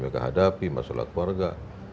masalah hadapi masalah keluarga